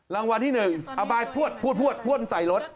ล้ะไวพ่วนใส่รถ